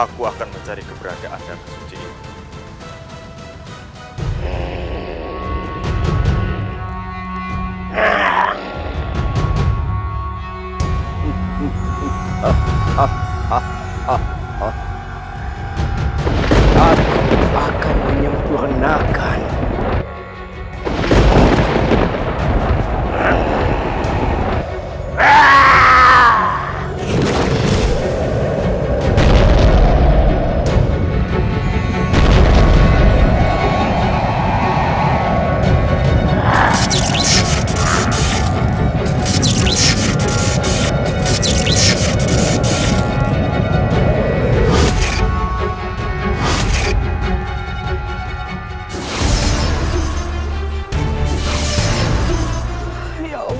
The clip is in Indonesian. jangan cari daun ya hati hati ya